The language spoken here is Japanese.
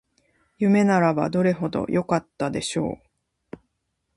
夢ならばどれほどよかったでしょう